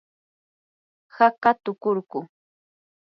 haqatukurquu.